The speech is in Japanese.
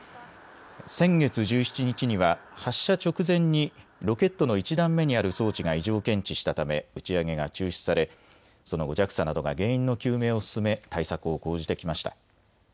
先月１７日には発射直前にロケットの１段目にある装置が異常を検知したため打ち上げが中止されその後、ＪＡＸＡなどが原因の究明を進め対策を講じてきました。